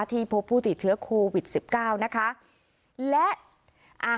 ที่พบผู้ติดเชื้อโควิดสิบเก้านะคะและอ่า